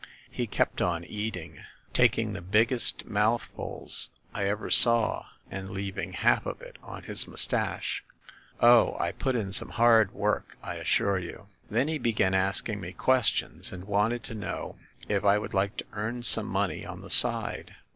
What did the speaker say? He kept on eating, taking the biggest mouthfuls I ever saw and leaving half of it on his mustache. Oh, I put in some hard work, I assure you ! "Then he began asking me questions, and wanted to know if I would like to earn some money on the side.